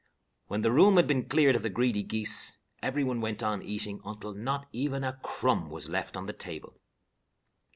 When the room had been cleared of the greedy geese, every one went on eating, until not even a crumb was left on the table.